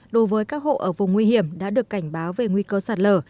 đối với các hộ ở vùng nguy hiểm đã được cảnh báo về nguy cơ sạt lở